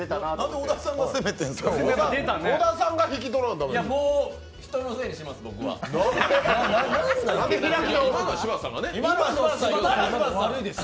小田さんが引き取らんとだめですよ。